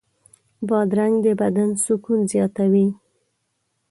بادرنګ د بدن سکون زیاتوي.